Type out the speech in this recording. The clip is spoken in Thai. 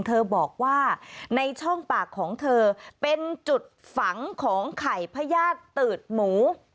เธอบอกว่าในช่องปากของเธอเป็นจุดฝังของไข่พญาติตืดหมู